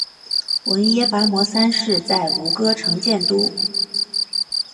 阇耶跋摩三世在吴哥城建都。